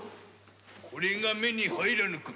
これが目に入らぬか？